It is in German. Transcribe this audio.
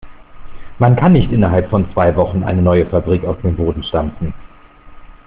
Man kann nicht innerhalb von zwei Wochen eine neue Fabrik aus dem Boden stampfen.